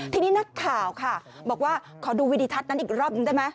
ทีนี้นักข่าวค่ะบอกว่าขอดูวิธีทัศน์นั้นอีกรอบหนึ่งได้ไหม